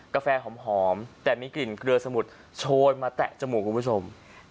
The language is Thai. กาแฟหอมแต่มีกลิ่นเกลือสมุดโชยมาแตะจมูกคุณผู้ชม